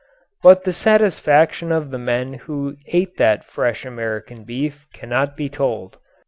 But the satisfaction of the men who ate that fresh American beef cannot be told.